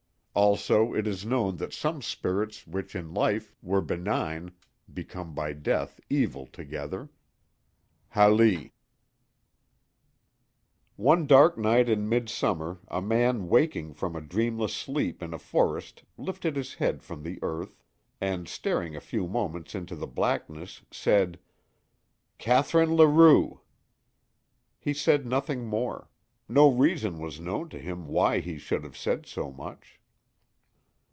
Also, it is known that some spirits which in life were benign become by death evil altogether.—Hali. ONE dark night in midsummer a man waking from a dreamless sleep in a forest lifted his head from the earth, and staring a few moments into the blackness, said: "Catherine Larue." He said nothing more; no reason was known to him why he should have said so much.